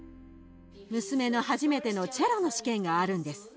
娘の初めてのチェロの試験があるんです。